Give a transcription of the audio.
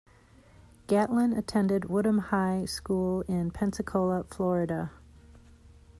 Gatlin attended Woodham High School in Pensacola, Florida.